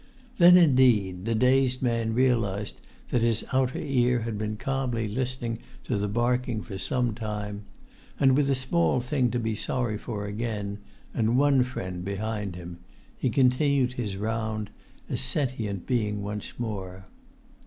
Then, indeed, the dazed man realized that his outer ear had been calmly listening to the barking for some time; and, with a small thing to be sorry for again, and one friend behind him, he continued his round, a sentient being once more.